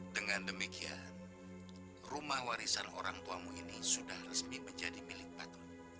dengan demikian rumah warisan orangtuamu ini sudah resmi menjadi milik pak